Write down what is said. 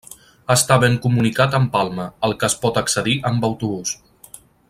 Està ben comunicat amb Palma, al que es pot accedir amb autobús.